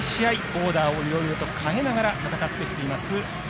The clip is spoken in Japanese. オーダーをいろいろと変えながら戦ってきています